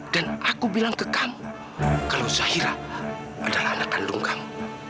dan aku bilang ke kamu kalau zahira adalah anak kandung kamu